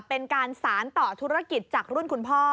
เป็นการสารต่อธุรกิจจากรุ่นคุณพ่อ